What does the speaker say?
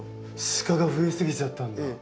シカが増え過ぎちゃったんだ。